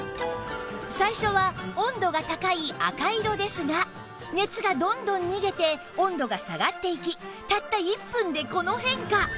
最初は温度が高い赤色ですが熱がどんどん逃げて温度が下がっていきたった１分でこの変化